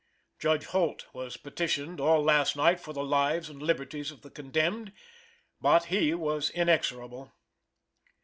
Judge Holt was petitioned all last night for the lives and liberties of the condemned, but he was inexorable.